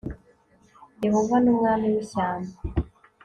yehova numwami wi shyamba